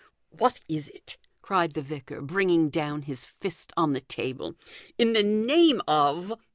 " What is it," cried the vicar, bringing down his fist on the table, " in the name of